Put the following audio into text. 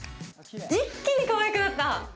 一気にかわいくなった。